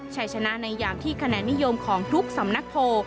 ชัยชนะในยามที่คะแนนนิยมของทุกสำนักโพล